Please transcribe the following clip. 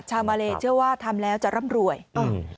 มาเลเชื่อว่าทำแล้วจะร่ำรวยอืม